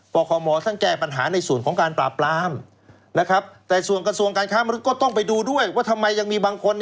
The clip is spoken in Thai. เพราะว่าอะไร